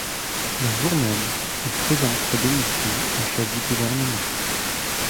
Le jour même, il présente sa démission au chef du gouvernement.